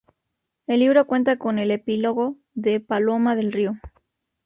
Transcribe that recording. El libro cuenta con el epílogo de Paloma del Río.